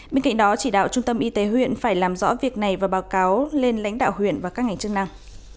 bên cạnh đó chỉ đạo trung tâm y tế huyện phải làm rõ việc này và báo cáo lên lãnh đạo huyện và các ngành chức năng